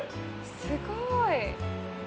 すごい。